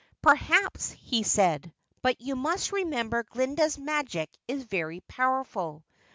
"Perhaps," he said. "But you must remember Glinda's magic is very powerful.